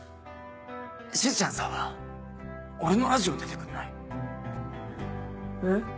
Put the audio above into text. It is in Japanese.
しずちゃんさ俺のラジオ出てくんない？え？